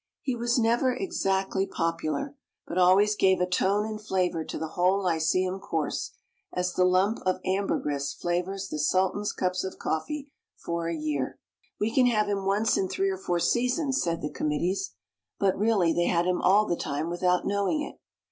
He was never exactly popular, but always gave a tone and flavor to the whole lyceum course, as the lump of ambergris flavors the Sultan's cups of coffee for a year. "We can have him once in three or four seasons," said the committees. But really they had him all the time without knowing it.